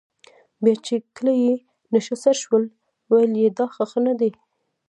بیا چې کله یې نشه سر شول ویل یې دا ښه نه دي.